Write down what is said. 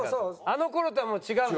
あの頃とはもう違うと。